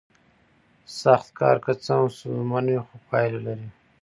سخت کار که څه هم ستونزمن وي خو پایله لري